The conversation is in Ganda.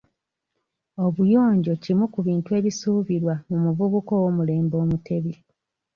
Obuyonjo kimu ku bintu ebisuubirwa mu muvubuka ow'omulembe omutebi.